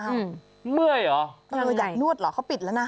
อ้าวมื้อยเหรอมือยไงนวดเหรอเขาปิดแล้วนะ